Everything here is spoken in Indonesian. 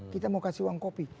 kita mau kasih uang kopi